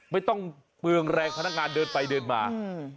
ไม่ต้องเปลืองแรงพนักงานเดินไปเดินมา